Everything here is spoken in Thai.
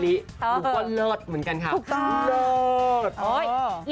ลูกสาวเลิศเหมือนกันครับเลิศเหรอน้องมิลิ